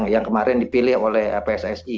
yang kemarin dipilih oleh pssi